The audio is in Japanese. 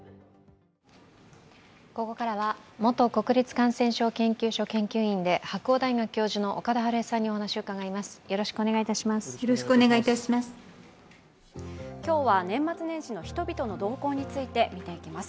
ここからは元国立感染症研究所研究員で白鴎大学教授の岡田晴恵さんにお話を伺います。